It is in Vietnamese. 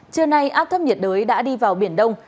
trưa nay áp thấp nhiệt đới đã đi vào biển đông